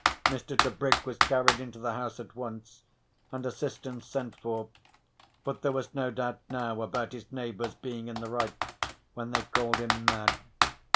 Mr. Tebrick was carried into the house at once and assistance sent for, but there was no doubt now about his neighbours being in the right when they called him mad.